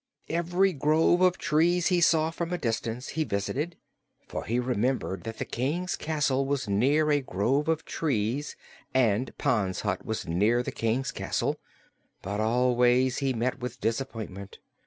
Every grove of trees he saw from a distance he visited, for he remembered that the King's castle was near a grove of trees and Pon's hut was near the King's castle; but always he met with disappointment.